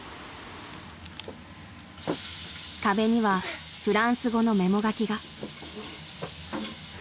［壁にはフランス語のメモ書きが］